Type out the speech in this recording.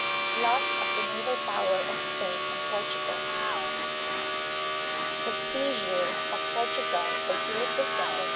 Loss of the Naval Power of Spain and Portugal. The seizure of Portugal by Philip II.